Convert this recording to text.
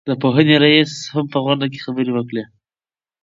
د پوهنې رئيس هم په غونډه کې خبرې وکړې.